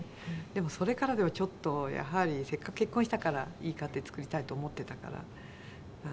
でもそれからではちょっとやはりせっかく結婚したからいい家庭作りたいと思ってたから無理だと思いましてね。